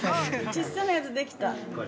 ◆小さなやつできた。